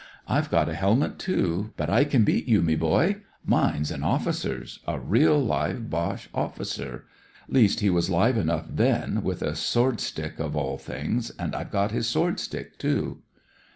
I've got a helmet, too ; but I can beat you, me boy. Mine's an officer's — a real live Boche officer ; least, he was live enough then, with a sword stick of all things, and I've got his sword stick, too."